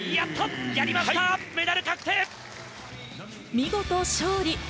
見事勝利。